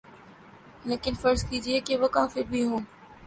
لیکن فرض کیجیے کہ وہ کافر بھی ہوں۔